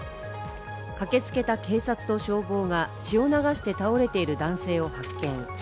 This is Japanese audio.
駆けつけた警察と消防が血を流して倒れている男性を発見。